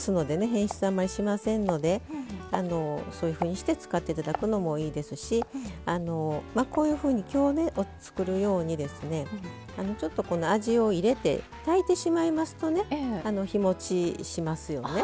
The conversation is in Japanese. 変質あんまりしませんのでそういうふうにして使って頂くのもいいですしこういうふうに今日ね作るようにですねちょっと味を入れて炊いてしまいますとね日もちしますよね。